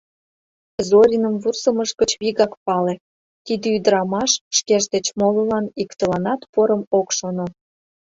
Зориным вурсымыж гыч вигак пале, тиде ӱдырамаш шкеж деч молылан иктыланат порым ок шоно.